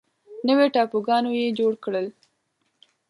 نوي ټاپوګانو یې جوړ کړل.